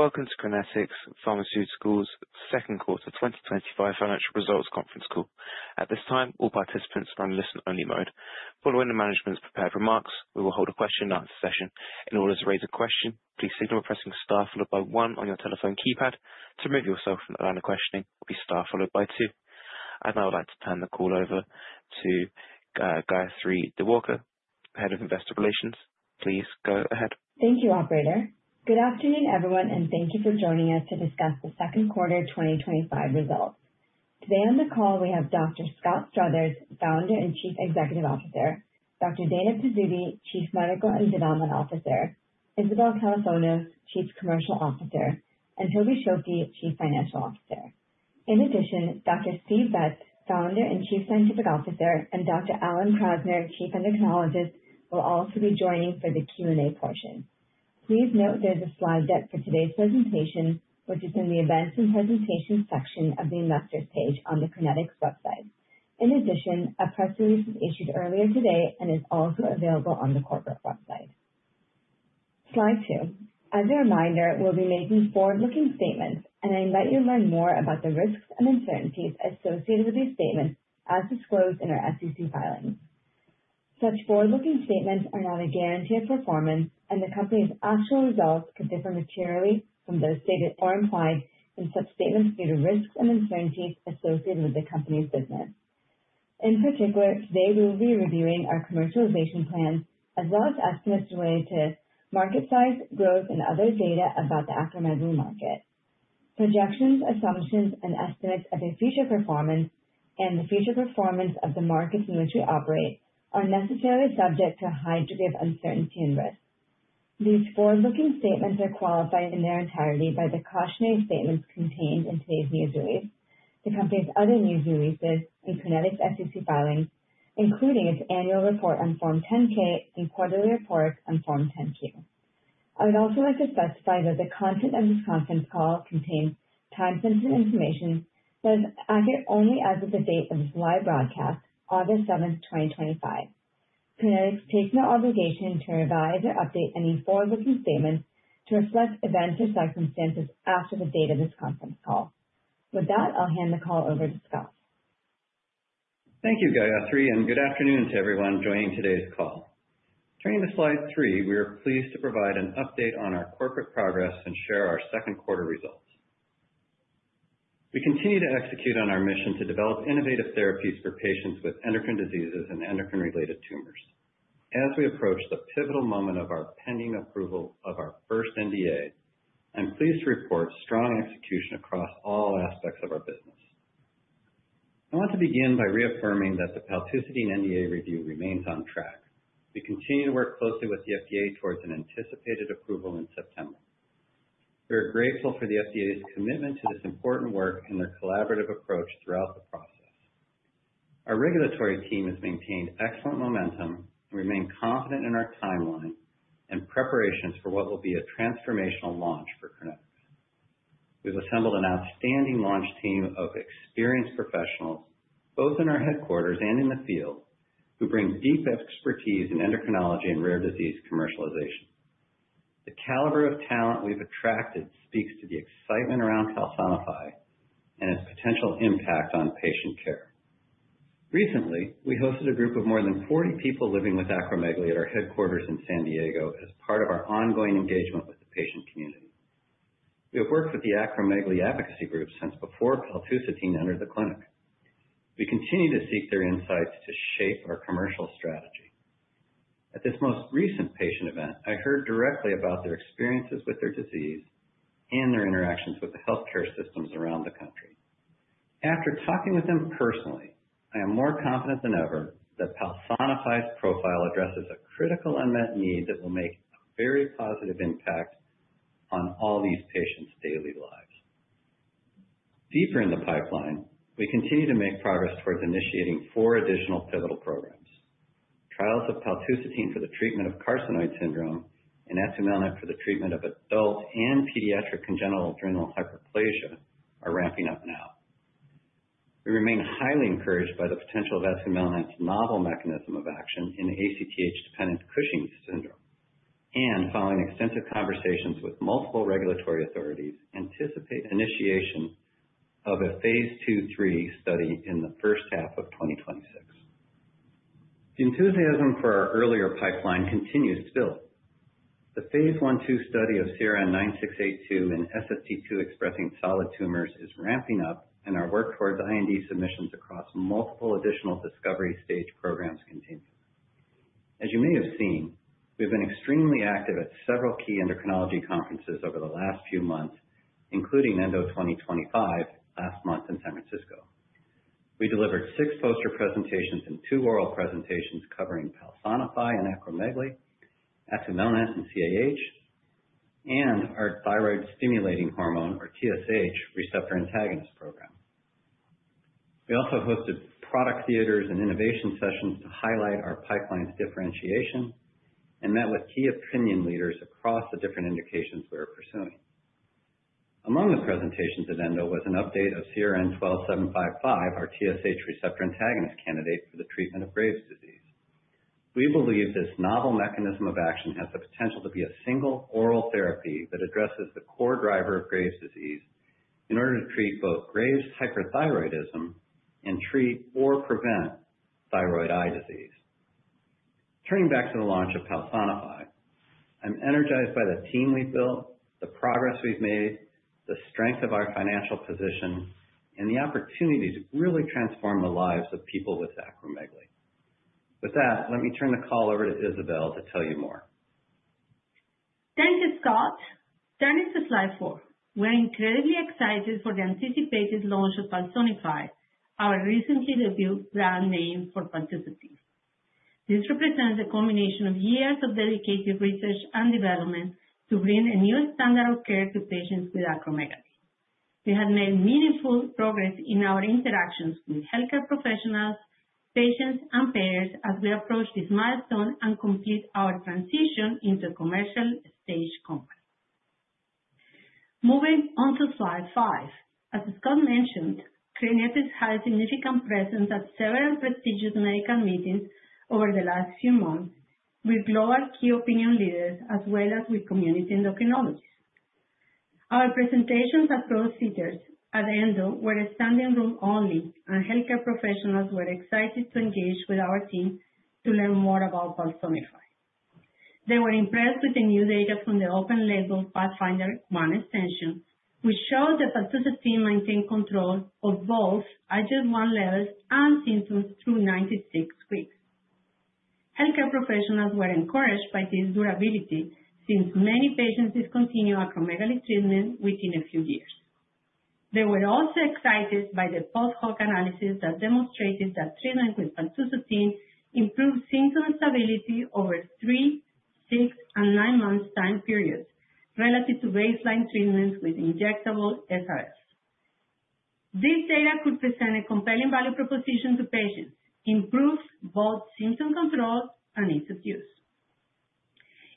Welcome to Crinetics Pharmaceuticals' second quarter 2025 financial results conference call. At this time, all participants are in listen-only mode. Following the management's prepared remarks, we will hold a question and answer session. In order to raise a question, please signal by pressing star followed by one on your telephone keypad. To remove yourself from the line of questioning, please press star followed by two. I would like to turn the call over to Gayathri Diwakar, Head of Investor Relations. Please go ahead. Thank you, operator. Good afternoon, everyone, and thank you for joining us to discuss the second quarter 2025 results. Today on the call, we have Dr. Scott Struthers, Founder and Chief Executive Officer; Dr. Dana Pizzuti, Chief Medical and Development Officer; Isabel Kalofonos, Chief Commercial Officer; and Toby Schilke, Chief Financial Officer. In addition, Dr. Steve Betz, Founder and Chief Scientific Officer, and Dr. Alan Krasner, Chief Endocrinologist, will also be joining for the Q&A portion. Please note there's a slide deck for today's presentation, which is in the Events and Presentations section of the Investors page on the Crinetics website. In addition, a press release was issued earlier today and is also available on the corporate website. Slide 2. As a reminder, we'll be making forward-looking statements, and I invite you to learn more about the risks and uncertainties associated with these statements as disclosed in our SEC filing. Such forward-looking statements are not a guarantee of performance, and the company's actual results could differ materially from those stated or implied in such statements due to risks and uncertainties associated with the company's business. In particular, today we will be reviewing our commercialization plans as well as estimates related to market size, bills, and other data about the aforementioned market. Projections, assumptions, and estimates of a future performance and the future performance of the markets in which we operate are necessarily subject to a high degree of uncertainty and risk. These forward-looking statements are qualified in their entirety by the cautionary statements contained in today's news release, the company's other news releases, and Crinetics' SEC filings, including its annual report on Form 10-K, the quarterly report on Form 10-Q. I would also like to specify that the content of this conference call contains time-sensitive information that is accurate only as of the date of live broadcast, August 7th, 2025. Crinetics takes no obligation to revise or update any forward-looking statements to reflect events or circumstances after the date of this conference call. With that, I'll hand the call over to Scott. Thank you, Gayathri, and good afternoon to everyone joining today's call. Turning to slide 3, we are pleased to provide an update on our corporate progress and share our second quarter results. We continue to execute on our mission to develop innovative therapies for patients with endocrine diseases and endocrine-related tumors. As we approach the pivotal moment of our pending approval of our first NDA, I'm pleased to report strong execution across all aspects of our business. I want to begin by reaffirming that the paltusotine NDA review remains on track. We continue to work closely with the FDA towards an anticipated approval in September. We are grateful for the FDA's commitment to its important work and their collaborative approach throughout the process. Our regulatory team has maintained excellent momentum and remains confident in our timeline and preparations for what will be a transformational launch for Crinetics. We've assembled an outstanding launch team of experienced professionals, both in our headquarters and in the field, who bring deep expertise in endocrinology and rare disease commercialization. The caliber of talent we've attracted speaks to the excitement around PALSONIFY and its potential impact on patient care. Recently, we hosted a group of more than 40 people living with acromegaly at our headquarters in San Diego as part of our ongoing engagement with the patient community. We have worked with the Acromegaly Advocacy Group since before paltusotine entered the clinic. We continue to seek their insights to shape our commercial strategy. At this most recent patient event, I heard directly about their experiences with their disease and their interactions with the healthcare systems around the country. After talking with them personally, I am more confident than ever that PALSONIFY profile addresses a critical unmet need that will make a very positive impact on all these patients' daily lives. Deeper in the pipeline, we continue to make progress towards initiating four additional pivotal programs. Trials of paltusotine for the treatment of carcinoid syndrome and atumelnant for the treatment of adult and pediatric congenital adrenal hyperplasia are ramping up now. We remain highly encouraged by the potential of atumelnant's novel mechanism of action in ACTH-dependent Cushing’s syndrome, and following extensive conversations with multiple regulatory authorities, anticipate initiation of a phase II-III study in the first half of 2026. The enthusiasm for our earlier pipeline continues to build. The phase I-II study of CRN9682 in SST2-expressing solid tumors is ramping up, and our work towards IND submissions across multiple additional discovery stage programs continues. As you may have seen, we've been extremely active at several key endocrinology conferences over the last few months, including ENDO 2025 last month in San Francisco. We delivered 6 poster presentations and 2 oral presentations covering PALSONIFY and acromegaly, atumelnant in CAH, and our thyroid-stimulating hormone or TSH receptor antagonist program. We also hosted product theaters and innovation sessions to highlight our pipeline's differentiation and met with key opinion leaders across the different indications we are pursuing. Among the presentations at ENDO was an update of CRN12755, our TSH receptor antagonist candidate for the treatment of Graves’ disease. We believe this novel mechanism of action has the potential to be a single oral therapy that addresses the core driver of Graves’ disease in order to treat both Graves’ hyperthyroidism and treat or prevent thyroid eye disease. Turning back to the launch of PALSONIFY, I'm energized by the team we've built, the progress we've made, the strength of our financial position, and the opportunity to really transform the lives of people with acromegaly. With that, let me turn the call over to Isabel to tell you more. Thank you, Scott. Turning to slide 4, we are incredibly excited for the anticipated launch of PALSONIFY, our recently debuted brand name for paltusotine. This represents a combination of years of dedicated research and development to bring a newer standard of care to patients with acromegaly. We have made meaningful progress in our interactions with healthcare professionals, patients, and payers as we approach this milestone and complete our transition into a commercial stage company. Moving on to slide 5, as Scott mentioned, Crinetics has a significant presence at several prestigious medical meetings over the last few months with global key opinion leaders as well as with community endocrinologists. Our presentations at proceedings at the ENDO were standing room-only, and healthcare professionals were excited to engage with our team to learn more about PALSONIFY. They were impressed with the new data from the open-label PATHFNDR-1 extension, which showed that paltusotine maintained control of both IGF-1 levels and symptoms through 96 weeks. Healthcare professionals were encouraged by this durability since many patients discontinue acromegaly treatment within a few years. They were also excited by the post-hoc analysis that demonstrated that treatment with paltusotine improved symptom stability over 3, 6 and 9 months' time periods relative to baseline treatments with injectable SRL. This data could present a compelling value proposition to patients, improved both symptom control and ease of use.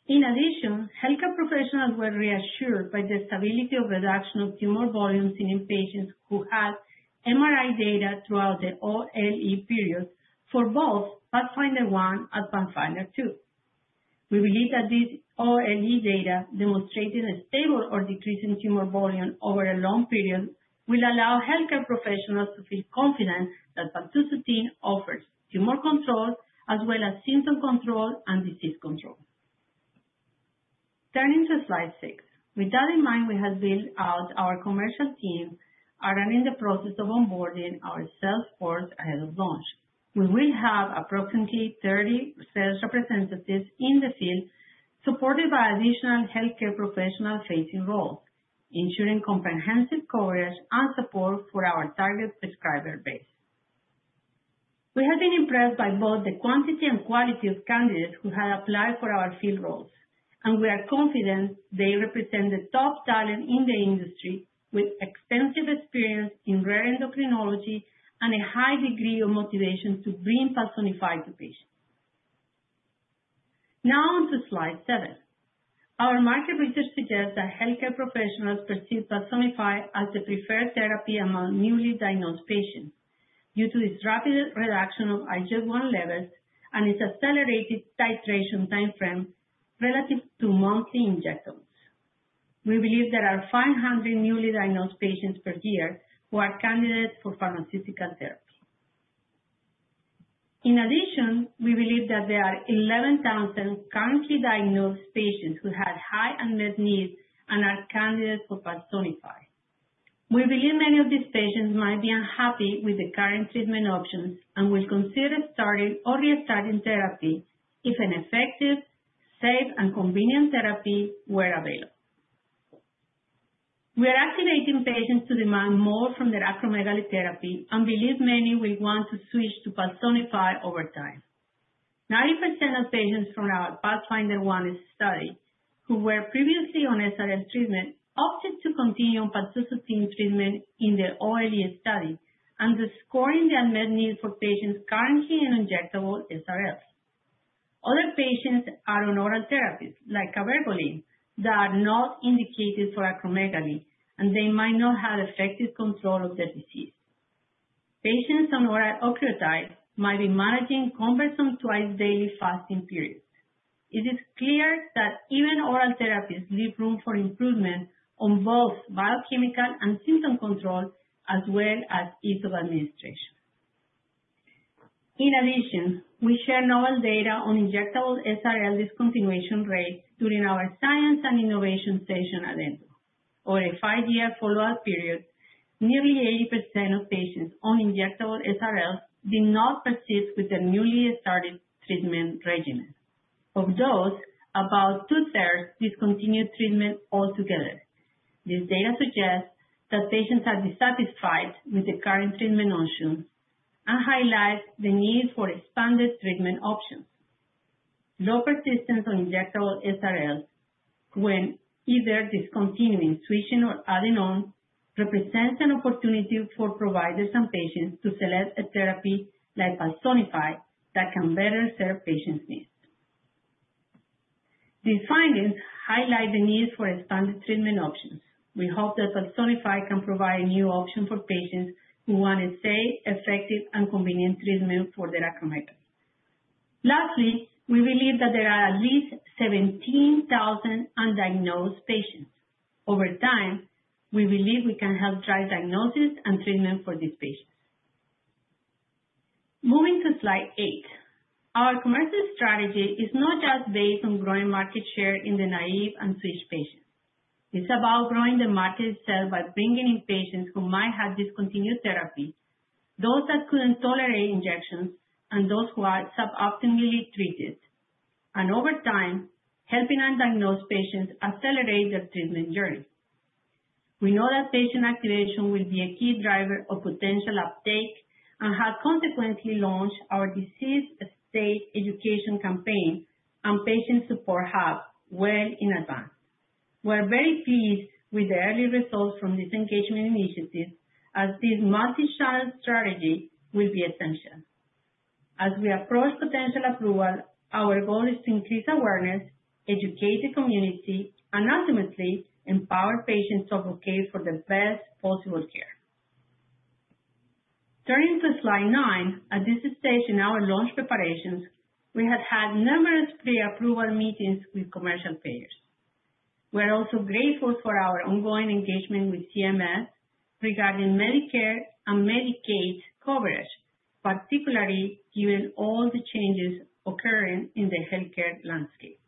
In addition, healthcare professionals were reassured by the stability of reduction of tumor volumes in patients who had MRI data throughout the OLE period for both PATHFNDR-1 and PATHFNDR-2. We believe that these OLE data demonstrating a stable or decrease in tumor volume over a long period will allow healthcare professionals to feel confident that paltusotine offers tumor control as well as symptom control and disease control. Turning to slide 6x, with that in mind, we have built out our commercial team and are in the process of onboarding our sales force ahead of launch. We will have approximately 30 sales representatives in the field, supported by additional healthcare professional-facing roles, ensuring comprehensive coverage and support for our target subscriber base. We have been impressed by both the quantity and quality of candidates who have applied for our field roles, and we are confident they represent the top talent in the industry with extensive experience in rare endocrinology and a high degree of motivation to bring PALSONIFY to patients. Now on to slide 7. Our market research suggests that healthcare professionals perceive PALSONIFY as the preferred therapy among newly diagnosed patients due to its rapid reduction of IGF-1 levels and its accelerated titration timeframe relative to monthly injectables. We believe there are 500 newly diagnosed patients per year who are candidates for pharmaceutical therapy. In addition, we believe that there are 11,000 currently diagnosed patients who have high unmet needs and are candidates for PALSONIFY. We believe many of these patients might be unhappy with the current treatment options and will consider starting or restarting therapy if an effective, safe, and convenient therapy were available. We are estimating patients to demand more from their acromegaly therapy and believe many will want to switch to PALSONIFY over time. 97% of patients from our PATHFNDR-1 study who were previously on SRL treatment opted to continue on paltusotine treatment in the OLE study, underscoring the unmet needs for patients currently on injectable SRL. Other patients are on oral therapies like cabergoline that are not indicated for acromegaly, and they might not have effective control of their disease. Patients on oral opioids might be managing cumbersome twice-daily fasting periods. It is clear that even oral therapies leave room for improvement on both biochemical and symptom control, as well as ease of administration. In addition, we share novel data on injectable SRL discontinuation rates during our science and innovation session at ENDO. Over a 5-year follow-up period, nearly 80% of patients on injectable SRL did not persist with their newly started treatment regimen. Of those, about two-thirds discontinued treatment altogether. This data suggests that patients are dissatisfied with the current treatment option and highlights the need for expanded treatment options. Low persistence on injectable SRL when either discontinuing, switching, or adding on represents an opportunity for providers and patients to select a therapy like PALSONIFY that can better serve patients' needs. These findings highlight the need for expanded treatment options. We hope that PALSONIFY can provide a new option for patients who want a safe, effective, and convenient treatment for their acromegaly. Lastly, we believe that there are at least 17,000 undiagnosed patients. Over time, we believe we can help drive diagnosis and treatment for these patients. Moving to slide 8, our commercial strategy is not just based on growing market share in the naive and switched patients. It's about growing the market itself by bringing in patients who might have discontinued therapy, those that couldn't tolerate injections, and those who are suboptimally treated. Over time, helping undiagnosed patients accelerate their treatment journey. We know that patient activation will be a key driver of potential uptake and have consequently launched our disease state education campaign and patient support hub well in advance. We're very pleased with the early results from this engagement initiative as this multi-channel strategy will be essential. As we approach potential approval, our goal is to increase awareness, educate the community, and ultimately empower patients to advocate for the best possible care. Turning to slide 9, at this stage in our launch preparations, we have had numerous pre-approval meetings with commercial payers. We're also grateful for our ongoing engagement with CMS regarding Medicare and Medicaid coverage, particularly given all the changes occurring in the healthcare landscape.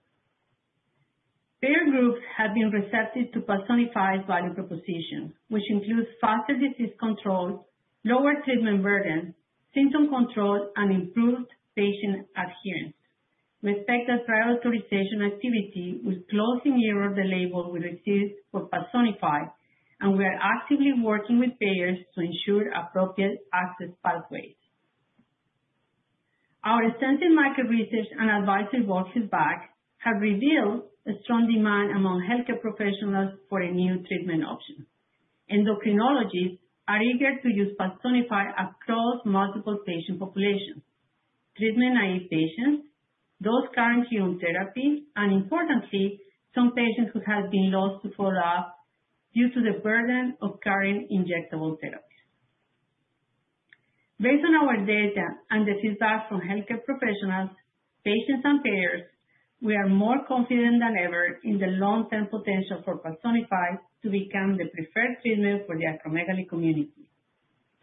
Payer groups have been receptive to PALSONIFY's value proposition, which includes faster disease control, lower treatment burden, symptom control, and improved patient adherence. We expect that prior authorization activity will closely mirror the label we received for PALSONIFY, and we are actively working with payers to ensure appropriate access pathways. Our extensive market research and advisory board feedback have revealed a strong demand among healthcare professionals for a new treatment option. Endocrinologists are eager to use PALSONIFY across multiple patient populations: treatment-naive patients, those currently on therapy, and importantly, some patients who have been lost to follow-up due to the burden of current injectable therapies. Based on our data and the feedback from healthcare professionals, patients, and payers, we are more confident than ever in the long-term potential for PALSONIFY to become the preferred treatment for the acromegaly community.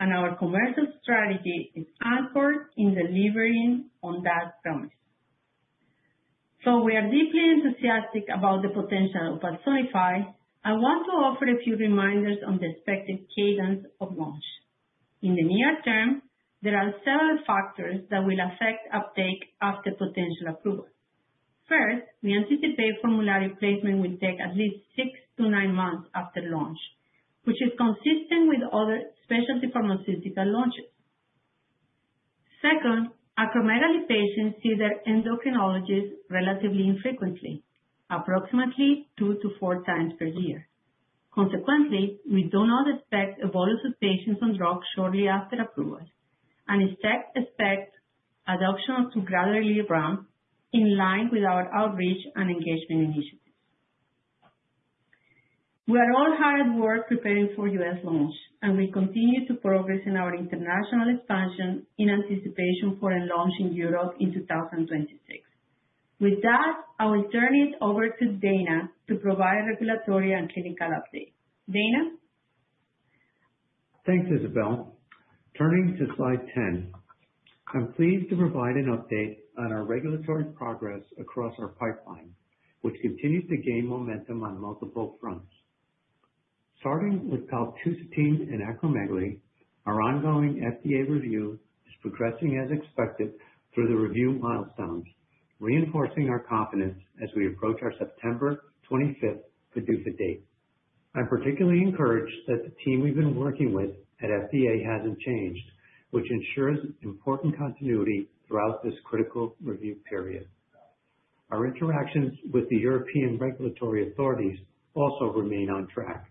Our commercial strategy is pampered in delivering on that promise. We are deeply enthusiastic about the potential of PALSONIFY. I want to offer a few reminders on the expected cadence of launch. In the near term, there are several factors that will affect uptake after potential approval. First, we anticipate formulary placement will take at least 6-9 months after launch, which is consistent with other specialty pharmaceutical launches. Second, acromegaly patients see their endocrinologists relatively infrequently, approximately 2-4 times per year. Consequently, we do not expect a volume of patients on drugs shortly after approval and instead expect adoption of congratulatory rounds in line with our outreach and engagement initiative. We are all hard at work preparing for U.S. launch, and we continue to progress in our international expansion in anticipation of launching in Europe in 2026. With that, I will turn it over to Dana to provide regulatory and clinical updates. Dana? Thanks, Isabel. Turning to slide 10, I'm pleased to provide an update on our regulatory progress across our pipeline, which continues to gain momentum on multiple fronts. Starting with paltusotine and acromegaly, our ongoing FDA review is progressing as expected through the review milestones, reinforcing our confidence as we approach our September 25th PDUFA date. I'm particularly encouraged that the team we've been working with at FDA hasn't changed, which ensures important continuity throughout this critical review period. Our interactions with the European regulatory authorities also remain on track.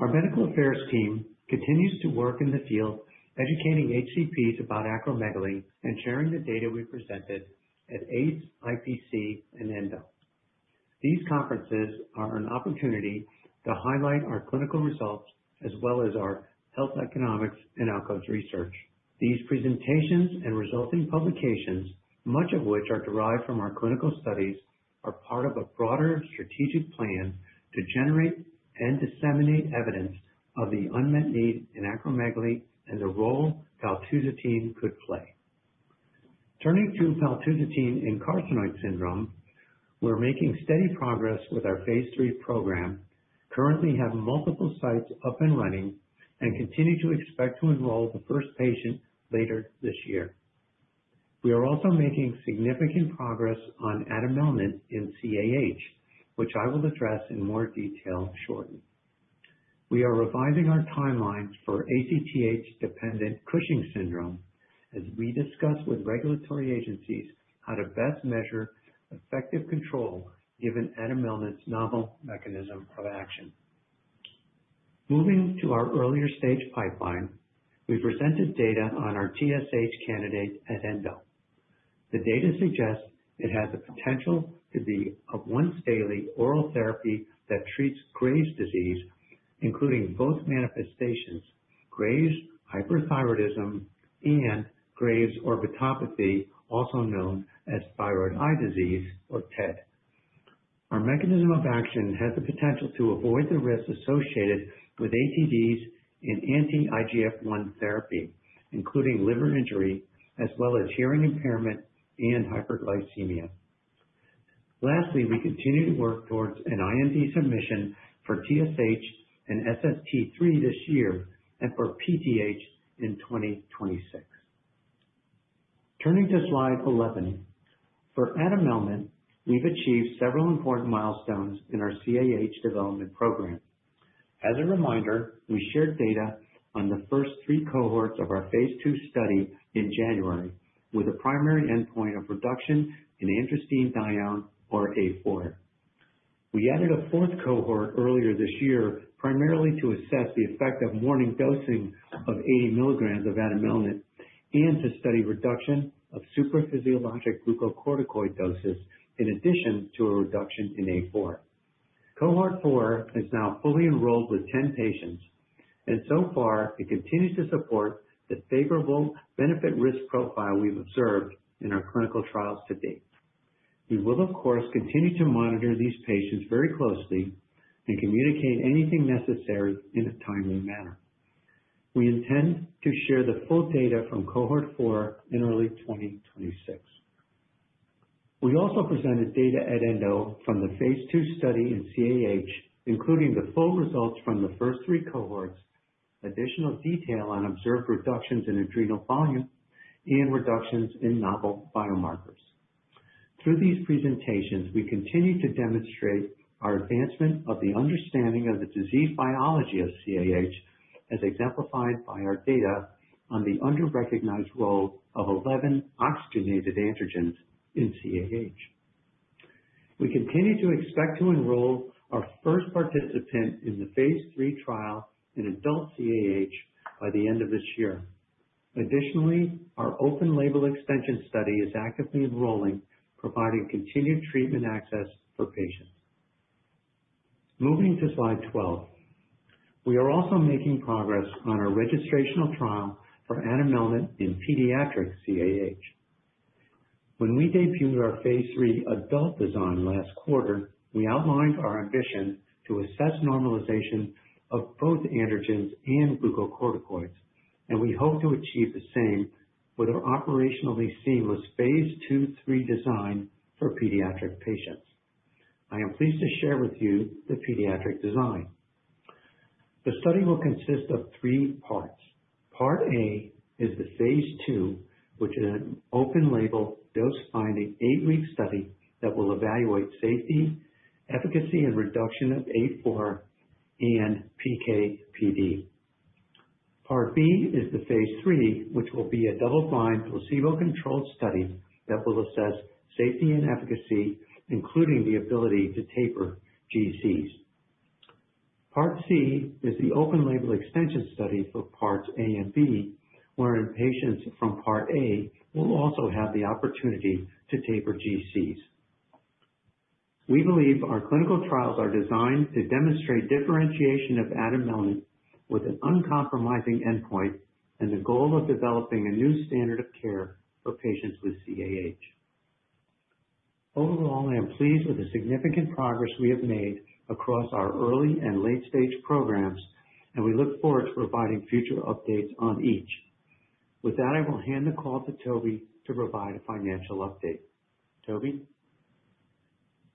Our medical affairs team continues to work in the field, educating HCPs about acromegaly and sharing the data we presented at AACE, IPC, and ENDO. These conferences are an opportunity to highlight our clinical results as well as our health economics and outcomes research. These presentations and resulting publications, much of which are derived from our clinical studies, are part of a broader strategic plan to generate and disseminate evidence of the unmet need in acromegaly and the role paltusotine could play. Turning to paltusotine and carcinoid syndrome, we're making steady progress with our phase III program, currently having multiple sites up and running, and continue to expect to enroll the first patient later this year. We are also making significant progress on atumelnant in CAH, which I will address in more detail shortly. We are revising our timeline for ACTH-dependent Cushing's syndrome as we discuss with regulatory agencies how to best measure effective control given atumelnant's novel mechanism of action. Moving to our earlier stage pipeline, we presented data on our TSH candidate at ENDO. The data suggests it has the potential to be a once-daily oral therapy that treats Graves' disease, including both manifestations: Graves' hyperthyroidism and Graves' orbitopathy, also known as thyroid eye disease or TED. Our mechanism of action has the potential to avoid the risks associated with ATDs in anti-IGF-1 therapy, including liver injury, as well as hearing impairment and hyperglycemia. Lastly, we continue to work towards an IND submission for TSH and SST3 this year and for PTH in 2026. Turning to slide 11, for atumelnant, we've achieved several important milestones in our CAH development program. As a reminder, we shared data on the first three cohorts of our phase II study in January with a primary endpoint of reduction in androstenedione, or A4. We added a fourth cohort earlier this year, primarily to assess the effect of morning dosing of 80 mg of atumelnant and to study reduction of supraphysiologic glucocorticoid doses in addition to a reduction in A4. Cohort 4 is now fully enrolled with 10 patients, and so far it continues to support the favorable benefit-risk profile we've observed in our clinical trials to date. We will, of course, continue to monitor these patients very closely and communicate anything necessary in a timely manner. We intend to share the full data from Cohort 4 in early 2026. We also presented data at ENDO from the phase II study in CAH, including the full results from the first three cohorts, additional detail on observed reductions in adrenal volume, and reductions in novel biomarkers. Through these presentations, we continue to demonstrate our advancement of the understanding of the disease biology of CAH, as exemplified by our data on the under-recognized role of 11-oxygenated androgens in CAH. We continue to expect to enroll our first participant in the phase III trial in adult CAH by the end of this year. Additionally, our open-label extension study is actively enrolling, providing continued treatment access for patients. Moving to slide 12, we are also making progress on our registrational trial for atumelnant in pediatric CAH. When we debuted our phase III adult design last quarter, we outlined our ambition to assess normalization of both androgens and glucocorticoids, and we hope to achieve the same with our operationally seamless phase II-III design for pediatric patients. I am pleased to share with you the pediatric design. The study will consist of three parts. Part A is the phase two, which is an open-label dose-finding 8-week study that will evaluate safety, efficacy, and reduction of A4 and PKPD. Part B is the phase III, which will be a double-blind placebo-controlled study that will assess safety and efficacy, including the ability to taper GCs. Part C is the open-label extension study for parts A and B, wherein patients from part A will also have the opportunity to taper GCs. We believe our clinical trials are designed to demonstrate differentiation of atumelnant with an uncompromising endpoint and the goal of developing a new standard of care for patients with CAH. Overall, I am pleased with the significant progress we have made across our early and late-stage programs, and we look forward to providing future updates on each. With that, I will hand the call to Toby to provide a financial update. Toby?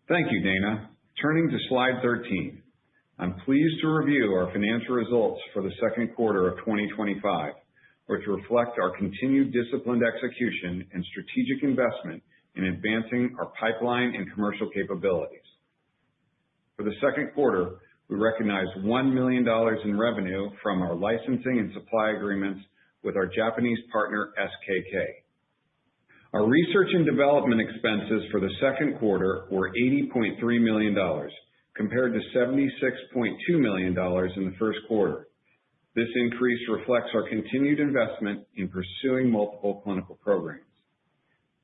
Thank you, Dana. Turning to slide 13, I'm pleased to review our financial results for the second quarter of 2025, which reflect our continued disciplined execution and strategic investment in advancing our pipeline and commercial capabilities. For the second quarter, we recognized $1 million in revenue from our licensing and supply agreements with our Japanese partner, SKK. Our research and development expenses for the second quarter were $80.3 million, compared to $76.2 million in the first quarter. This increase reflects our continued investment in pursuing multiple clinical programs,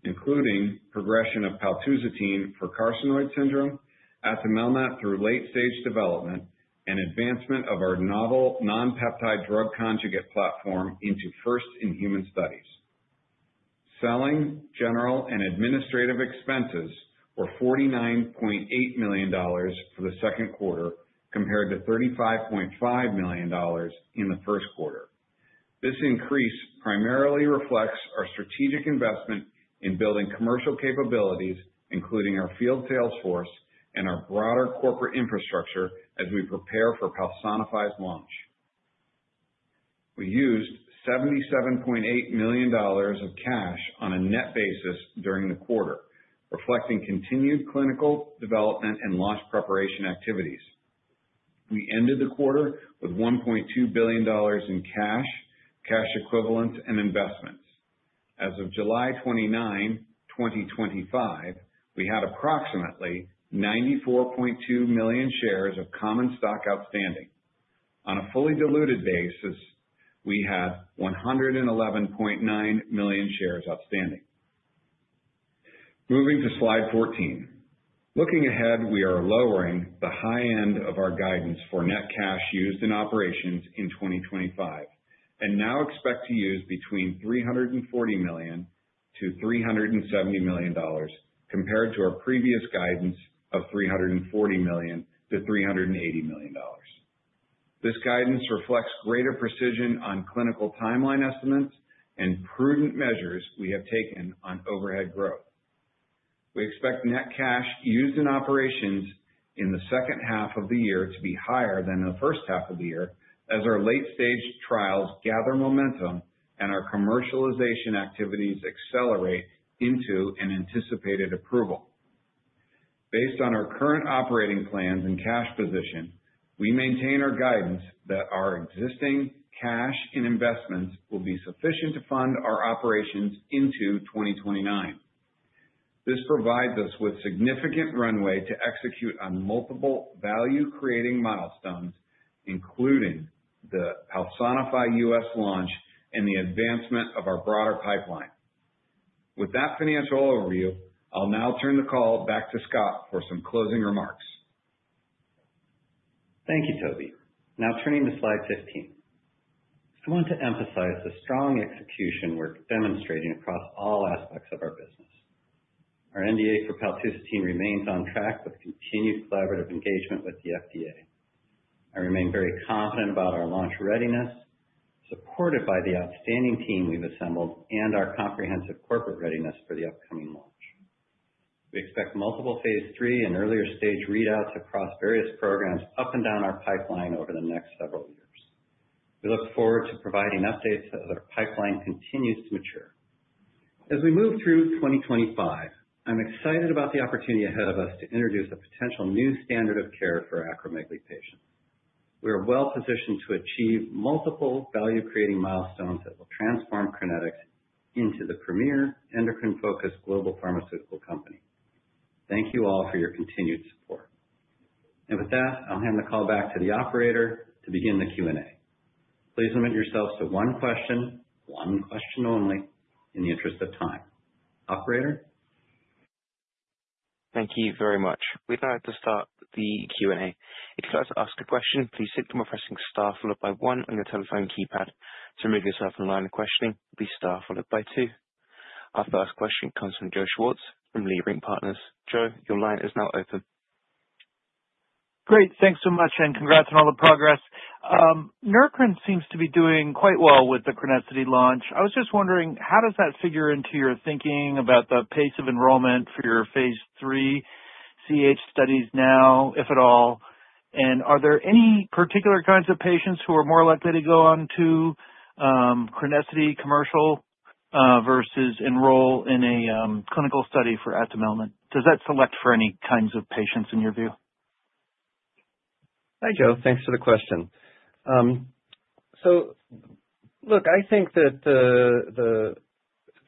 including progression of paltusotine for carcinoid syndrome, atumelnant through late-stage development, and advancement of our novel non-peptide drug conjugate platform into first-in-human studies. Selling, general, and administrative expenses were $49.8 million for the second quarter, compared to $35.5 million in the first quarter. This increase primarily reflects our strategic investment in building commercial capabilities, including our field sales force and our broader corporate infrastructure as we prepare for PALSONIFY's launch. We used $77.8 million of cash on a net-basis during the quarter, reflecting continued clinical development and launch preparation activities. We ended the quarter with $1.2 billion in cash, cash equivalents, and investments. As of July 29, 2025, we had approximately 94.2 million shares of common stock outstanding. On a fully diluted basis, we had 111.9 million shares outstanding. Moving to slide 14, looking ahead, we are lowering the high end of our guidance for net cash used in operations in 2025 and now expect to use between $340 million-$370 million, compared to our previous guidance of $340 million-$380 million. This guidance reflects greater precision on clinical timeline estimates and prudent measures we have taken on overhead growth. We expect net cash used in operations in the second half of the year to be higher than the first half of the year as our late-stage trials gather momentum and our commercialization activities accelerate into an anticipated approval. Based on our current operating plans and cash position, we maintain our guidance that our existing cash and investments will be sufficient to fund our operations into 2029. This provides us with significant runway to execute on multiple value-creating milestones, including the PALSONIFY U.S. launch and the advancement of our broader pipeline. With that financial overview, I'll now turn the call back to Scott for some closing remarks. Thank you, Toby. Now turning to slide 15, I want to emphasize the strong execution we're demonstrating across all aspects of our business. Our NDA for paltusotine remains on track with continued collaborative engagement with the FDA. I remain very confident about our launch readiness, supported by the outstanding team we've assembled and our comprehensive corporate readiness for the upcoming launch. We expect multiple phase III and earlier-stage readouts across various programs up and down our pipeline over the next several years. We look forward to providing updates as the pipeline continues to mature. As we move through 2025, I'm excited about the opportunity ahead of us to introduce a potential new standard of care for acromegaly patients. We are well positioned to achieve multiple value-creating milestones that will transform Crinetics into the premier endocrine-focused global pharmaceutical company. Thank you all for your continued support. With that, I'll hand the call back to the operator to begin the Q&A. Please limit yourselves to one question, one question only, in the interest of time. Operator? Thank you very much. With that, to start the Q&A, if you'd like to ask a question, please press star followed by one on your telephone keypad. To move yourself in line of questioning, please press star followed by two. Our first question comes from Joe Schwartz from Leerink Partners. Joe, your line is now open. Great, thanks so much, and congrats on all the progress. Neurocrine seems to be doing quite well with the Crenessity launch. I was just wondering, how does that figure into your thinking about the pace of enrollment for your phase III CAH studies now, if at all? Are there any particular kinds of patients who are more likely to go on to Crenessity commercial, versus enroll in a clinical study for atumelnant? Does that select for any kinds of patients in your view? Hi, Joe. Thanks for the question. I think that the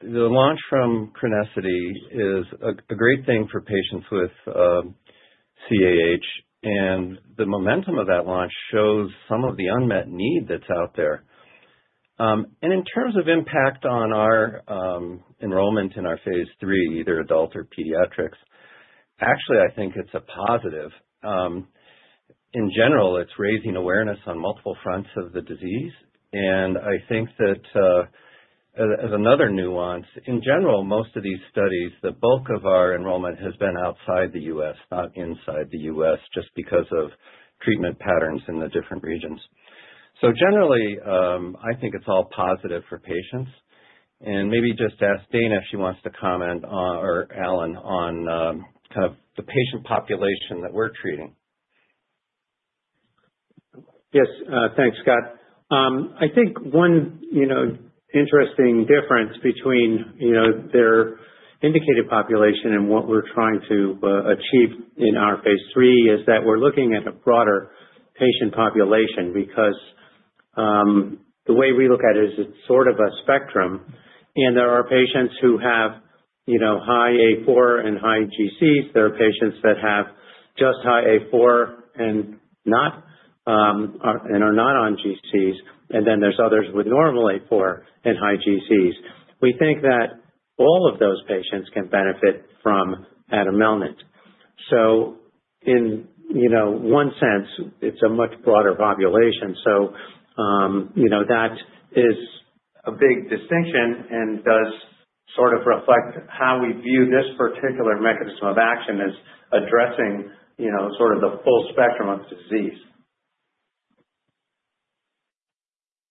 launch from Neurocrine is a great thing for patients with CAH, and the momentum of that launch shows some of the unmet need that's out there. In terms of impact on our enrollment in our phase III, either adult or pediatrics, actually, I think it's a positive. In general, it's raising awareness on multiple fronts of the disease. I think that, as another nuance, in general, most of these studies, the bulk of our enrollment has been outside the U.S., not inside the U.S., just because of treatment patterns in the different regions. I think it's all positive for patients. Maybe just ask Dana if she wants to comment on, or Alan, on, kind of the patient population that we're treating. Yes, thanks, Scott. I think one interesting difference between their indicated population and what we're trying to achieve in our phase three is that we're looking at a broader patient population because the way we look at it is it's sort of a spectrum. There are patients who have high A4 and high GCs. There are patients that have just high A4 and are not on GCs. Then there's others with normal A4 and high GCs. We think that all of those patients can benefit from atumelnant. In one sense, it's a much broader population. That is a big distinction and does reflect how we view this particular mechanism of action as addressing the full spectrum of the disease.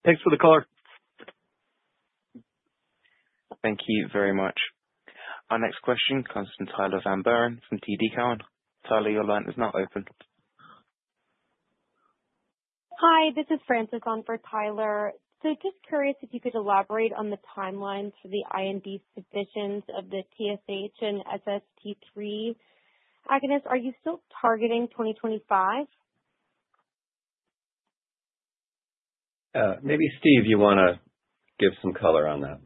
Thanks for the call. Thank you very much. Our next question comes from Tyler Van Buren from TD Cowen. Tyler, your line is now open. Hi, this is Frances on for Tyler. Could you elaborate on the timeline for the IND submissions of the TSH and SST3 agonists? Are you still targeting 2025? Maybe Steve, you want to give some color on that.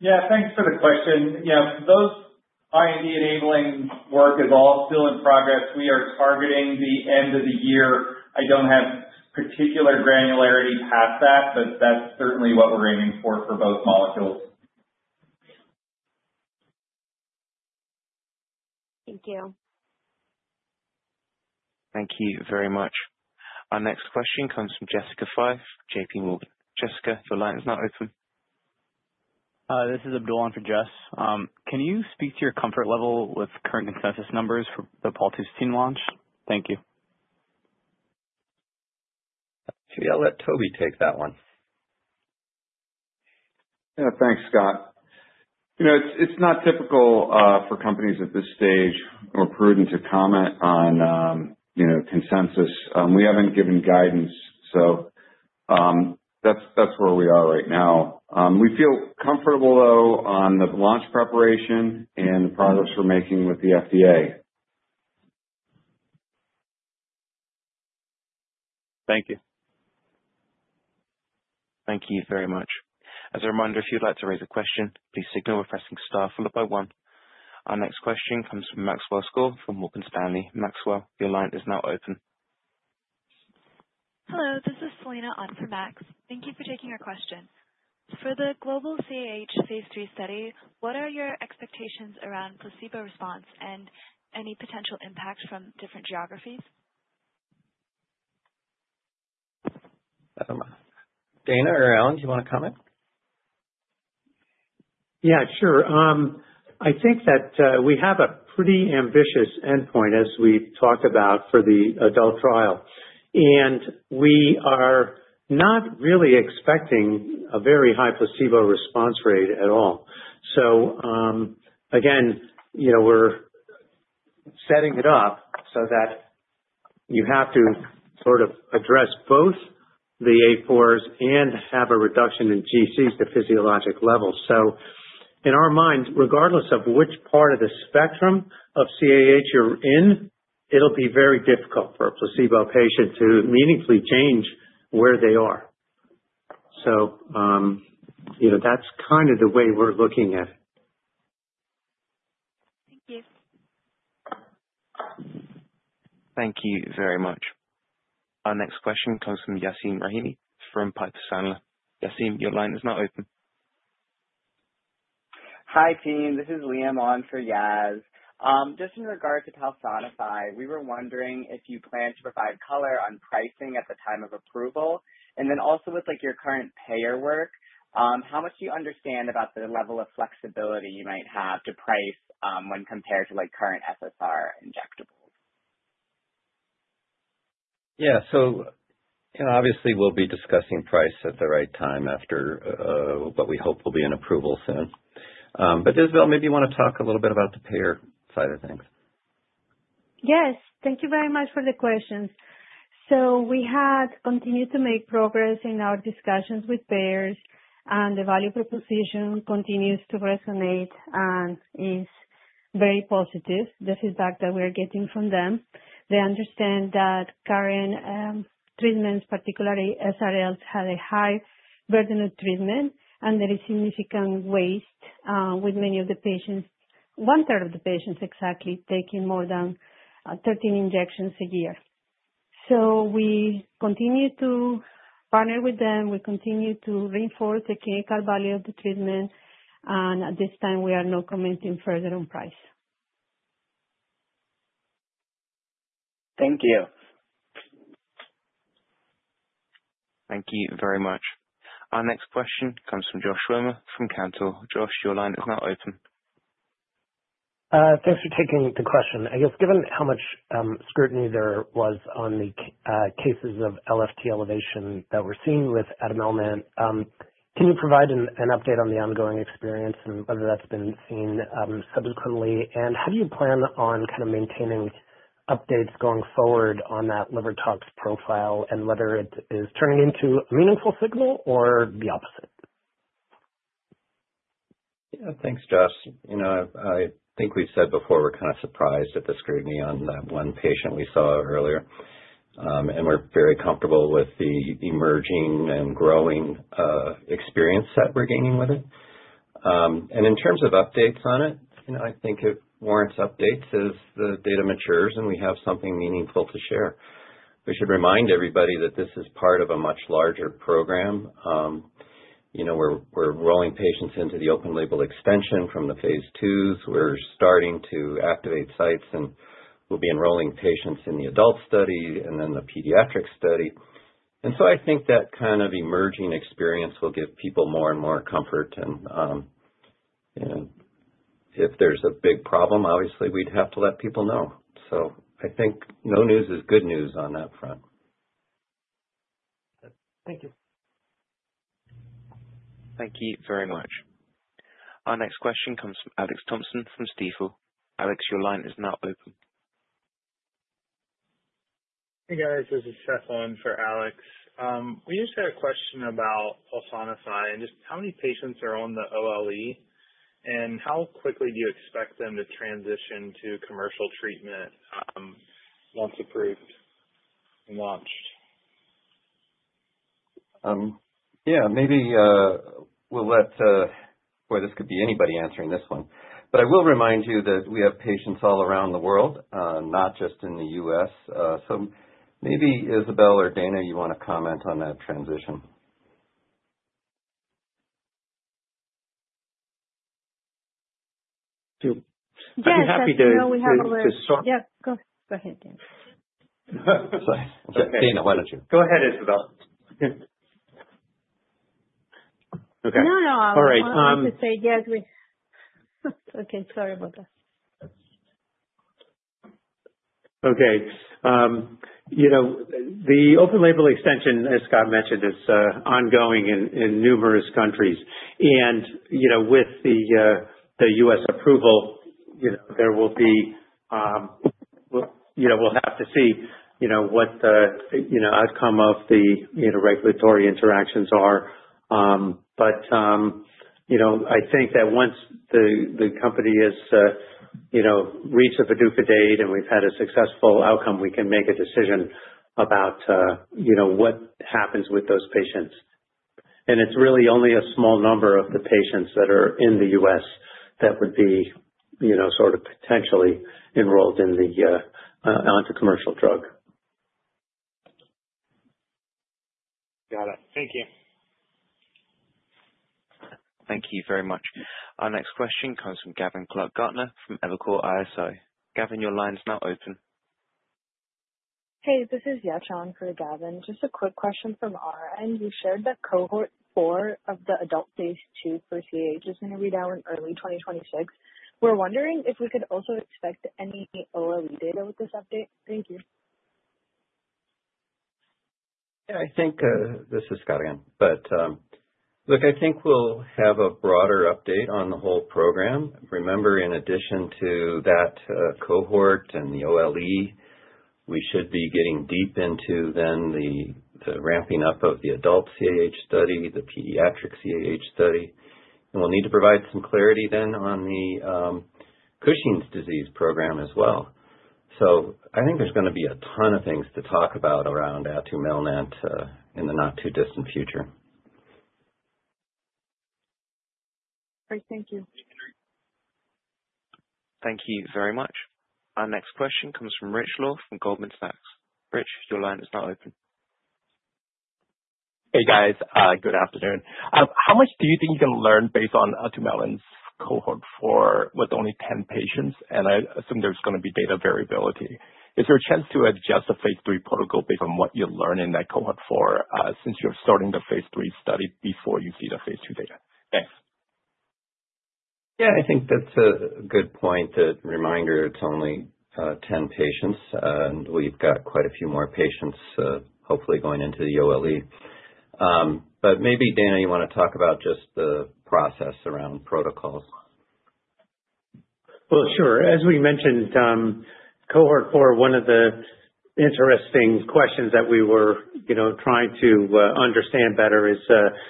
Yeah, thanks for the question. Those IND-enabling work is all still in progress. We are targeting the end of the year. I don't have particular granularity past that, but that's certainly what we're aiming for for both molecules. Thank you. Thank you very much. Our next question comes from Jessica Fye from JPMorgan. Jessica, your line is now open. This is Abdul on for Jess. Can you speak to your comfort level with current consensus numbers for the Pellicetti launch? Thank you. Should we all let Toby take that one? Yeah, thanks, Scott. You know, it's not typical for companies at this stage or prudence to comment on, you know, consensus. We haven't given guidance. That's where we are right now. We feel comfortable, though, on the launch preparation and the progress we're making with the FDA. Thank you. Thank you very much. As a reminder, if you'd like to raise a question, please signal by pressing star followed by one. Our next question comes from Maxwell Skor from Morgan Stanley. Maxwell, your line is now open. Hello, this is Selena on for Max. Thank you for taking our questions. For the global CAH phase III study, what are your expectations around placebo response and any potential impacts from different geographies? Dana, or Alan, do you want to comment? Yeah, sure. I think that we have a pretty ambitious endpoint as we talk about for the adult trial. We are not really expecting a very high placebo response rate at all. Again, we're setting it up so that you have to sort of address both the A4s and have a reduction in GCs to physiologic levels. In our minds, regardless of which part of the spectrum of CAH you're in, it'll be very difficult for a placebo patient to meaningfully change where they are. That's kind of the way we're looking at it. Thank you very much. Our next question comes from Yasmeen Rahimi from Piper Sandler & Co. Yasmeen, your line is now open. Hi team, this is Liam on for Yaz. Just in regard to PALSONIFY, we were wondering if you plan to provide color on pricing at the time of approval. Also, with your current payer work, how much do you understand about the level of flexibility you might have to price, when compared to current SST2 injectables? Yeah, obviously we'll be discussing price at the right time after what we hope will be an approval soon. Isabel, maybe you want to talk a little bit about the payer side of things. Yes, thank you very much for the questions. We have continued to make progress in our discussions with payers, and the value proposition continues to resonate and is very positive. The feedback that we are getting from them, they understand that current treatments, particularly SRLs, have a high burden of treatment, and there is significant waste, with many of the patients, 1/3 of the patients exactly, taking more than 13 injections a year. We continue to partner with them. We continue to reinforce the clinical value of the treatment, and at this time, we are not commenting further on price. Thank you. Thank you very much. Our next question comes from Josh Schimmer from Cantor. Josh, your line is now open. Thanks for taking the question. I guess given how much scrutiny there was on the cases of LFT elevation that we're seeing with atumelnant, can you provide an update on the ongoing experience and whether that's been seen subsequently? How do you plan on kind of maintaining updates going forward on that liver tox profile and whether it is turning into a meaningful signal or the opposite? Yeah, thanks, Josh. I think we've said before we're kind of surprised at the scrutiny on that one patient we saw earlier, and we're very comfortable with the emerging and growing experience that we're gaining with it. In terms of updates on it, I think it warrants updates as the data matures and we have something meaningful to share. We should remind everybody that this is part of a much larger program. We're rolling patients into the open-label extension from the phase IIs. We're starting to activate sites and we'll be enrolling patients in the adult study and then the pediatric study. I think that kind of emerging experience will give people more and more comfort. If there's a big problem, obviously we'd have to let people know. I think no news is good news on that front. Thank you. Thank you very much. Our next question comes from Alex Thompson from Stifel. Alex, your line is now open. Hey guys, this is Seth on for Alex. We usually have a question about PALSONIFY and just how many patients are on the OLE, and how quickly do you expect them to transition to commercial treatment once approved and launched? Maybe we'll let, boy, this could be anybody answering this one. I will remind you that we have patients all around the world, not just in the U.S. Maybe Isabel or Dana, you want to comment on that transition? Yes, I know we have a little. Jana, you're happy to. Yeah, go ahead. Go ahead, Dr. Dana Pizzuti. Sorry. Dana, why don't you? Go ahead, Isabel. I was just going to say, yes, we are okay, sorry about that. Okay. The open label extension, as Scott mentioned, is ongoing in numerous countries. With the U.S. approval, there will be, we'll have to see what the outcome of the regulatory interactions are. I think that once the company has reached a PDUFA date and we've had a successful outcome, we can make a decision about what happens with those patients. It's really only a small number of the patients that are in the U.S. that would be potentially enrolled onto commercial drug. Got it. Thank you. Thank you very much. Our next question comes from Gavin Clark-Gartner from Evercore ISI. Gavin, your line is now open. Hey, this is Yacha on for Gavin. Just a quick question from our end. You shared that Cohort 4 of the adult phase II for CAH is going to read out in early 2026. We're wondering if we could also expect any OLE data with this update. Thank you. I think this is Scott again. I think we'll have a broader update on the whole program. Remember, in addition to that cohort and the OLE, we should be getting deep into the ramping up of the adult CAH study and the pediatric CAH study. We'll need to provide some clarity on the Cushing's disease program as well. I think there's going to be a ton of things to talk about around atumelnant in the not-too-distant future. All right, thank you. Thank you very much. Our next question comes from Rich Law from Goldman Sachs. Rich, your line is now open. Hey guys, good afternoon. How much do you think you can learn based on atumelnant Cohort 4 with only 10 patients? I assume there's going to be data variability. Is there a chance to adjust the phase III protocol based on what you learn in that cohort four since you're starting the phase III study before you see the phase II data? Thanks. Yeah, I think that's a good point, a reminder to only 10 patients. We've got quite a few more patients hopefully going into the OLE. Maybe Dana, you want to talk about just the process around protocols? As we mentioned, cohort four, one of the interesting questions that we were trying to understand better is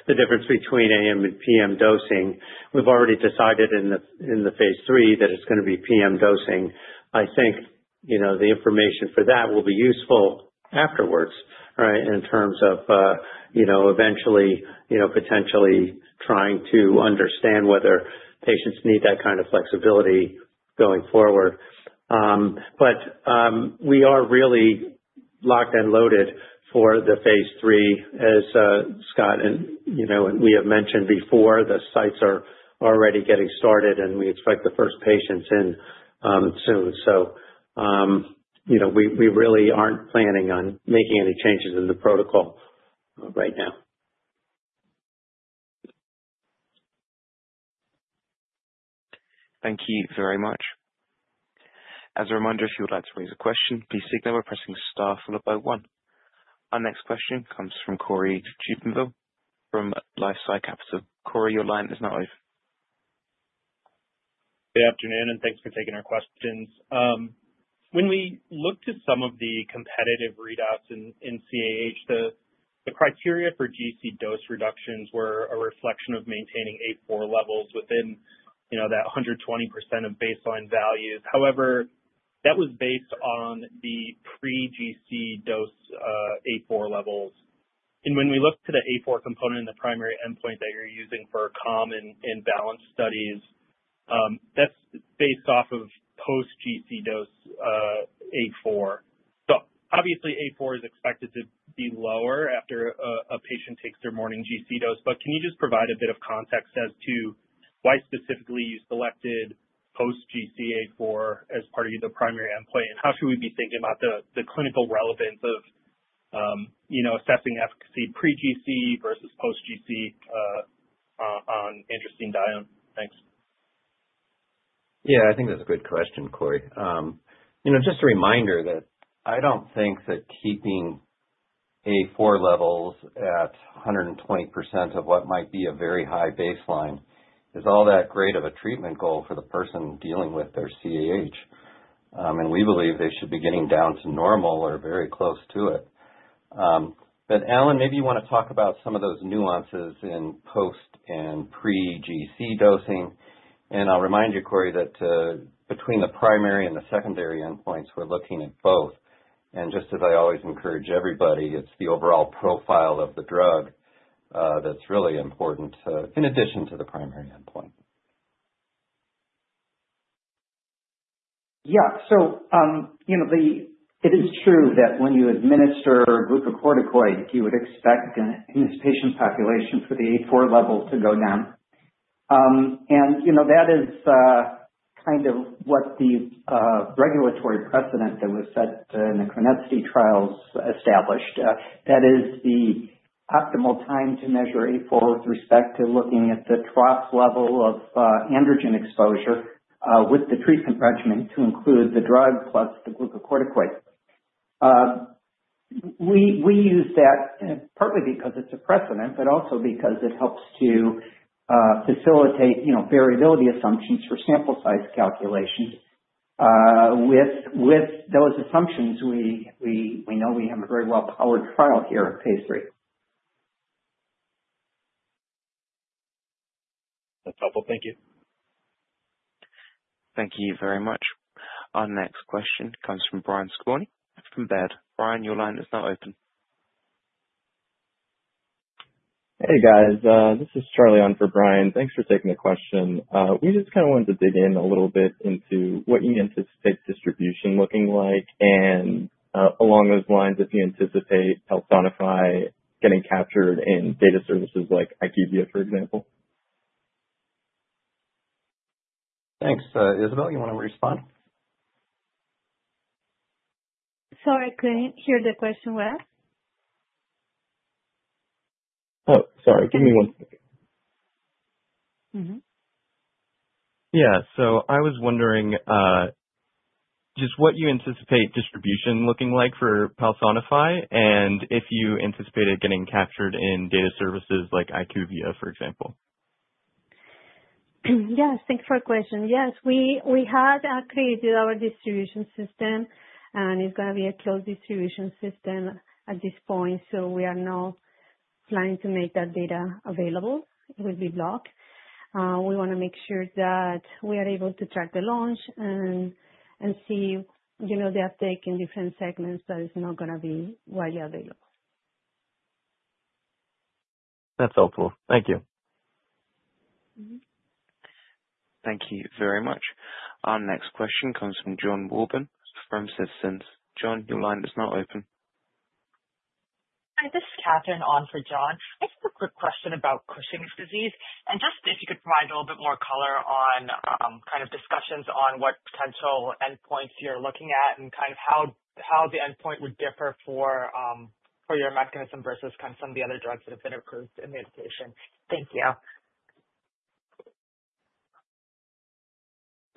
the difference between A.M. and P.M. dosing. We've already decided in the phase III that it's going to be P.M. dosing. I think the information for that will be useful afterwards, right, in terms of eventually potentially trying to understand whether patients need that kind of flexibility going forward. We are really locked and loaded for the phase III, as Scott, and you know, we have mentioned before, the sites are already getting started and we expect the first patients in soon. We really aren't planning on making any changes in the protocol right now. Thank you very much. As a reminder, if you would like to raise a question, please signal by pressing star followed by one. Our next question comes from Cory Jubinville from LifeSci Capital. Cory, your line is now open. Good afternoon, and thanks for taking our questions. When we looked at some of the competitive readouts in CAH, the criteria for GC dose reductions were a reflection of maintaining A4 levels within 120% of baseline values. However, that was based on the pre-GC dose A4 levels. When we look to the A4 component in the primary endpoint that you're using for Calm and Balance studies, that's based off of post-GC dose A4. Obviously, A4 is expected to be lower after a patient takes their morning GC dose. Can you just provide a bit of context as to why specifically you selected post-GC A4 as part of the primary endpoint? How should we be thinking about the clinical relevance of assessing efficacy pre-GC versus post-GC on androstenedione? Thanks. Yeah, I think that's a great question, Cory. You know, just a reminder that I don't think that keeping A4 levels at 120% of what might be a very high baseline is all that great of a treatment goal for the person dealing with their CAH. We believe they should be getting down to normal or very close to it. Alan, maybe you want to talk about some of those nuances in post and pre-GC dosing. I'll remind you, Cory, that between the primary and the secondary endpoints, we're looking at both. Just as I always encourage everybody, it's the overall profile of the drug that's really important, in addition to the primary endpoint. Yeah, it is true that when you administer glucocorticoid, you would expect in this patient population for the A4 level to go down. That is what the regulatory precedent that was set in the Crenessity trials established. That is the optimal time to measure A4 with respect to looking at the trough level of androgen exposure, with the treatment regimen to include the drug plus the glucocorticoids. We use that partly because it's a precedent, but also because it helps to facilitate variability assumptions for sample size calculations. With those assumptions, we know we have a very well-powered trial here at phase III. That's helpful. Thank you. Thank you very much. Our next question comes from Brian Skor from Baird. Brian, your line is now open. Hey guys, this is Charlie on for Brian. Thanks for taking the question. We just wanted to dig in a little bit into what you anticipate the distribution looking like, and along those lines, if you anticipate PALSONIFY getting captured in data services like IQVIA, for example. Thanks. Isabel, you want to respond? Sorry, I couldn't hear the question well. Sorry. Give me one second. I was wondering just what you anticipate distribution looking like for PALSONIFY, and if you anticipated getting captured in data services like IQVIA, for example. Yes, thanks for the question. Yes, we have created our distribution system, and it's going to be a closed distribution system at this point. We are not planning to make that data available. It will be blocked. We want to make sure that we are able to track the launch and see, you know, the uptake in different segments. That is not going to be widely available. That's helpful. Thank you. Thank you very much. Our next question comes from John Walden from Citizens. John, your line is now open. Hi, this is Catherine on for John. I just have a quick question about Cushing's disease. If you could provide a little bit more color on discussions on what potential endpoints you're looking at and how the endpoint would differ for your mechanism versus some of the other drugs that have been approved in the indication. Thank you.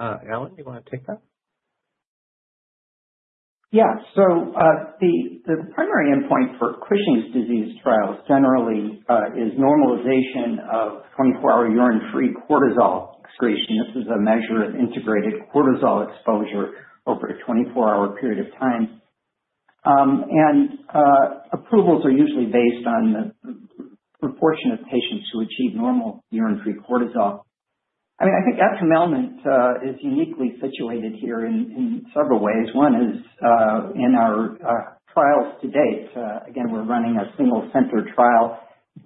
Alan, you want to take that? Yeah, the primary endpoint for Cushing's disease trials generally is normalization of 24-hour urine-free cortisol excretion. This is a measure of integrated cortisol exposure over a 24-hour period of time, and approvals are usually based on the proportion of patients who achieve normal urine-free cortisol. I mean, I think atumelnant is uniquely situated here in several ways. One is, in our trials to date, we're running a single-center trial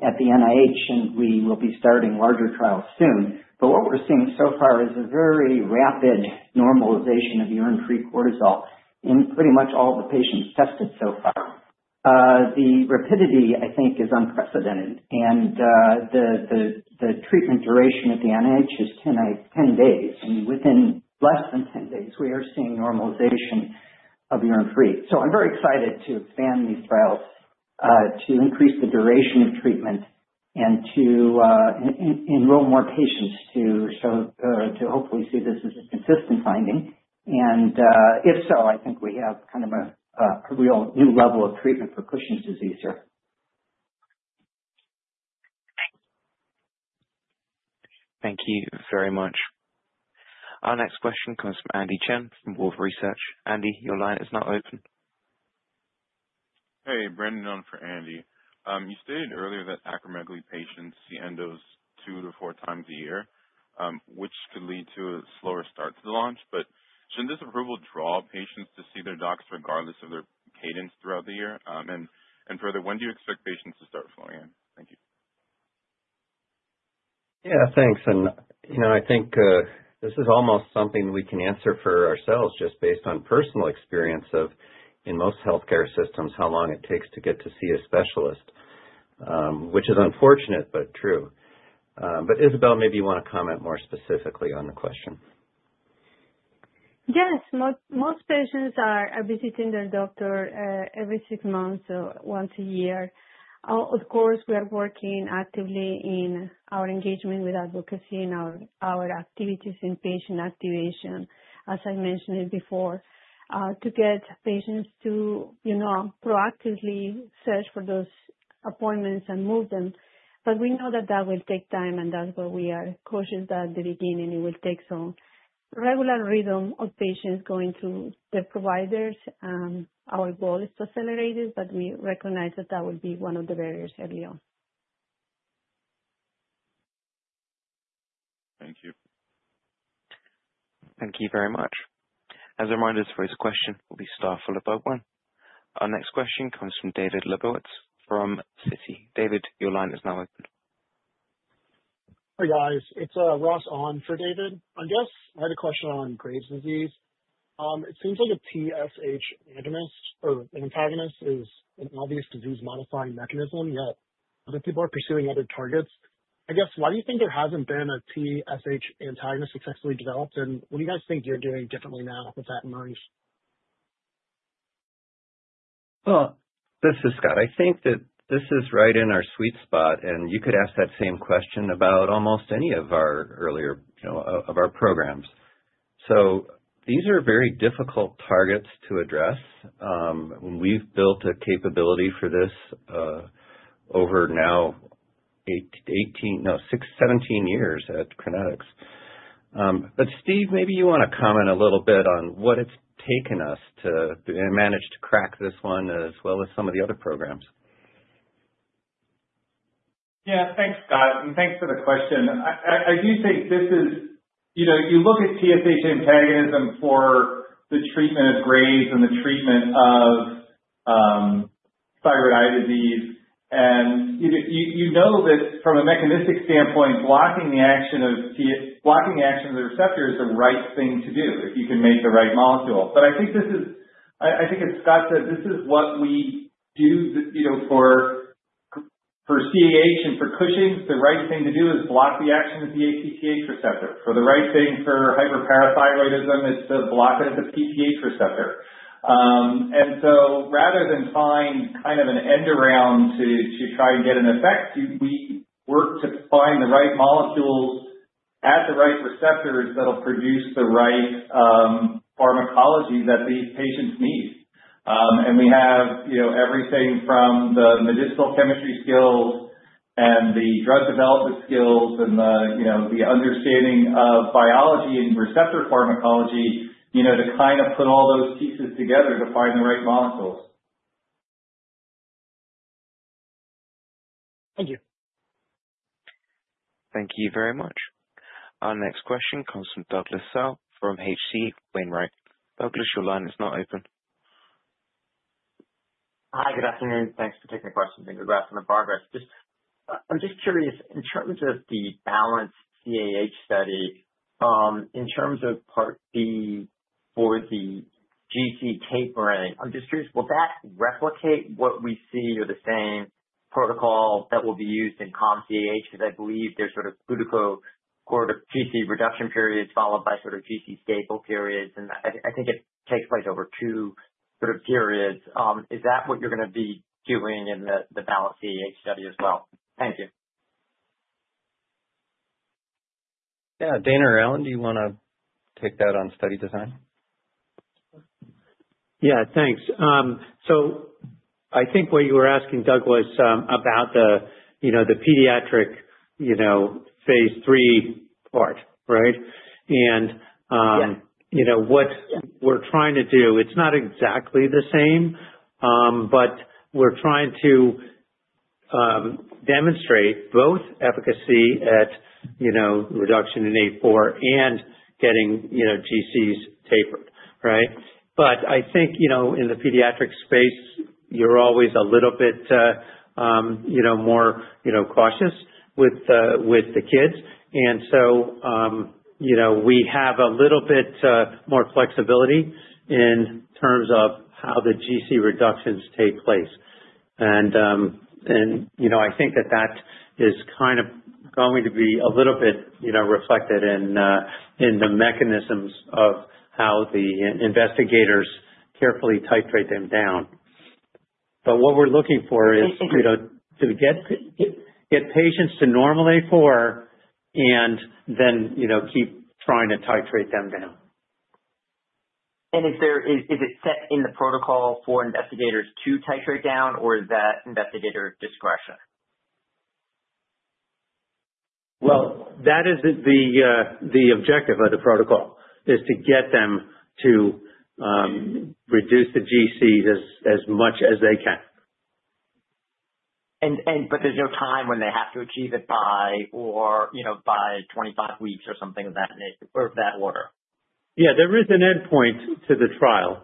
at the NIH, and we will be starting larger trials soon. What we're seeing so far is a very rapid normalization of urine-free cortisol in pretty much all the patients tested so far. The rapidity, I think, is unprecedented. The treatment duration at the NIH is 10 days. I mean, within less than 10 days, we are seeing normalization of urine-free. I'm very excited to expand these trials, to increase the duration of treatment and to enroll more patients to hopefully see this as a consistent finding. If so, I think we have kind of a real new level of treatment for Cushing's disease here. Thank you very much. Our next question comes from Andy Chen from Wolfe Research. Andy, your line is now open. Hey, Brandon on for Andy. You stated earlier that acromegaly patients see endos 2x-4x a year, which could lead to a slower start to the launch. Shouldn't this approval draw patients to see their docs regardless of their cadence throughout the year? Further, when do you expect patients to start flowing in? Thank you. Yeah, thanks. I think this is almost something we can answer for ourselves just based on personal experience of, in most healthcare systems, how long it takes to get to see a specialist, which is unfortunate, but true. Isabel, maybe you want to comment more specifically on the question. Yes, most patients are visiting their doctor every 6 months or once a year. Of course, we are working actively in our engagement with advocacy and our activities in patient activation, as I mentioned before, to get patients to proactively search for those appointments and move them. We know that will take time, and that's what we are cautious about at the beginning. It will take some regular rhythm of patients going to the providers. Our goal is to accelerate this, but we recognize that will be one of the barriers early on. Thank you. Thank you very much. As a reminder, this first question will be star followed by one. Our next question comes from David Lebovitz from Citi. David, your line is now open. Hi, guys. It's Ross on for David. I guess I had a question on Graves’ disease. It seems like a TSH antagonist or an antagonist is an obvious disease-modifying mechanism, yet other people are pursuing other targets. I guess, why do you think there hasn't been a TSH antagonist successfully developed? What do you guys think you're doing differently now with that in mind? This is Scott. I think that this is right in our sweet spot, and you could ask that same question about almost any of our earlier, you know, of our programs. These are very difficult targets to address. We've built a capability for this over now 18, no, 17 years at Crinetics. Steve, maybe you want to comment a little bit on what it's taken us to manage to crack this one as well as some of the other programs. Yeah, thanks, Scott, and thanks for the question. I do think this is, you know, you look at TSH antagonism for the treatment of Graves’ and the treatment of thyroid eye disease. You know that from a mechanistic standpoint, blocking the action of the receptor is the right thing to do if you can make the right molecule. I think this is, I think as Scott said, this is what we do, you know, for CAH and for Cushing’s. The right thing to do is block the action of the ACTH receptor. The right thing for hyperparathyroidism is to block it at the PTH receptor. Rather than find kind of an end around to try and get an effect, we work to find the right molecules at the right receptors that'll produce the right pharmacology that these patients need. We have everything from the medicinal chemistry skills and the drug development skills and the understanding of biology and receptor pharmacology to kind of put all those pieces together to find the right molecules. Thank you. Thank you very much. Our next question comes from Douglas Tsao from H.C. Wainwright. Douglas, your line is now open. Hi, good afternoon. Thanks for taking the question, and congrats on the progress. I'm just curious, in terms of the Balance-CAH study, in terms of part B for the GC tapering, will that replicate what we see or the same protocol that will be used in Calm-CAH? I believe there's sort of glucocorticoid GC reduction periods followed by sort of GC stable periods, and I think it takes place over two periods. Is that what you're going to be doing in the Balance-CAH study as well? Thank you. Yeah, Dana or Alan, do you want to take that on study design? Yeah, thanks. I think what you were asking, Douglas, about the pediatric phase III part, right? What we're trying to do, it's not exactly the same, but we're trying to demonstrate both efficacy at reduction in A4 and getting GCs tapered, right? I think in the pediatric space, you're always a little bit more cautious with the kids. We have a little bit more flexibility in terms of how the GC reductions take place. I think that is kind of going to be a little bit reflected in the mechanisms of how the investigators carefully titrate them down. What we're looking for is to get patients to normal A4 and then keep trying to titrate them down. Is it set in the protocol for investigators to titrate down, or is that investigator discretion? The objective of the protocol is to get them to reduce the GCs as much as they can. There is no time when they have to achieve it by, or, you know, by 25 weeks or something of that nature or that order. Yeah, there is an endpoint to the trial,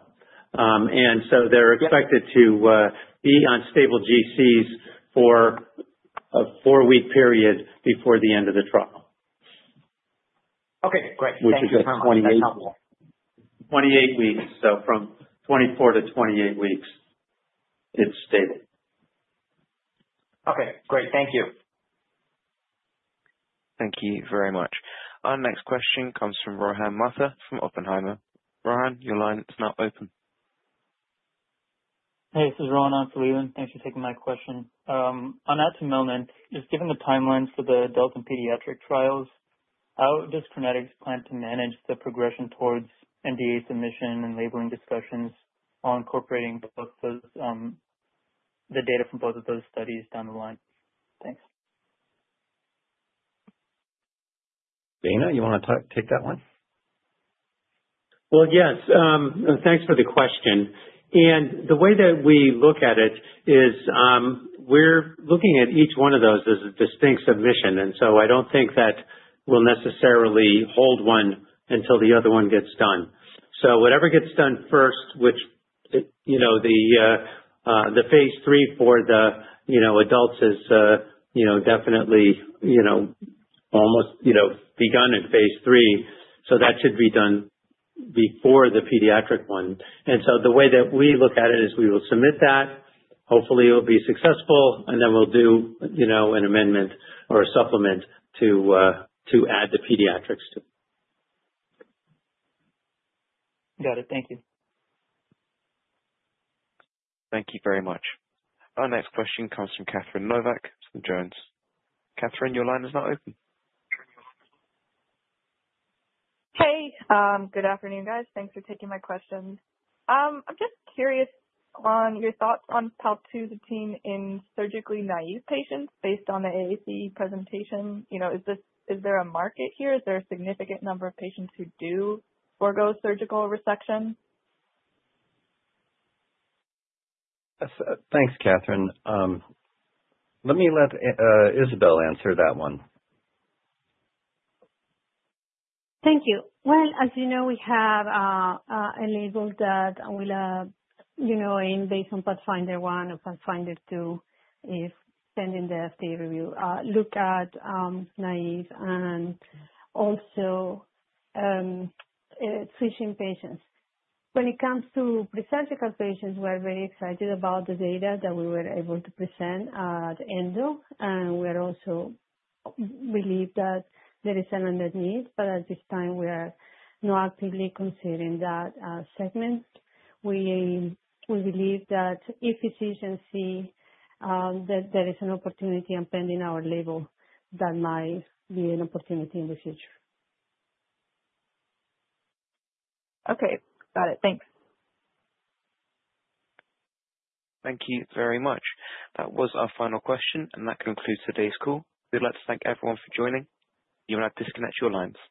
and so they're expected to be on stable GCs for a 4-week period before the end of the trial. Okay, great. Thank you for explaining that. Twenty-eight weeks. From 24-28 weeks, it's stable. Okay, great. Thank you. Thank you very much. Our next question comes from Rohan Mathur from Oppenheimer. Rohan, your line is now open. Hey, this is Rohan on for Leland. Thanks for taking my question. On atumelnant, you've given the timelines for the adult and pediatric trials. How does Crinetics plan to manage the progression towards NDA submission and labeling discussions on incorporating both those, the data from both of those studies down the line? Thanks. Dana, you want to take that one? Thank you for the question. The way that we look at it is, we're looking at each one of those as a distinct submission. I don't think that we'll necessarily hold one until the other one gets done. Whatever gets done first, which, you know, the phase three for the adults is definitely almost begun in phase III, so that should be done before the pediatric one. The way that we look at it is we will submit that. Hopefully, it'll be successful, and then we'll do an amendment or a supplement to add the pediatrics to. Got it. Thank you. Thank you very much. Our next question comes from Catherine Novack from Jones. Catherine, your line is now open. Hey, good afternoon, guys. Thanks for taking my question. I'm just curious on your thoughts on paltusotine in surgically naive patients based on the AACE presentation. Is there a market here? Is there a significant number of patients who do forego surgical resection? Thanks, Catherine. Let me let Isabel answer that one. Thank you. As you know, we have labeled that, and we'll, you know, based on PATHFNDR-1 or PATHFNDR-2, pending the FDA review. Look at naive and also Cushing's patients. When it comes to presurgical patients, we are very excited about the data that we were able to present at ENDO. We also believe that there is an unmet need, but at this time, we are not actively considering that segment. We believe that if physicians see that there is an opportunity and, pending our label, that might be an opportunity in the future. Okay. Got it. Thanks. Thank you very much. That was our final question, and that concludes today's call. We'd like to thank everyone for joining. You may disconnect your lines.